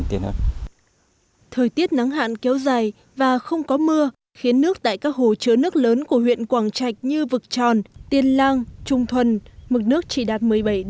thời tiết nắng hạn kéo dài và không có mưa khiến nước tại các hồ chứa nước lớn của huyện quảng trạch như vực tròn tiên lang trung thuần mực nước chỉ đạt một mươi bảy